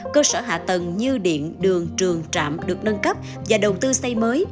cơ sở hạ tầng như điện đường trường trạm được nâng cấp và đầu tư xây mới